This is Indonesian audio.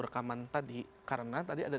rekaman tadi karena tadi ada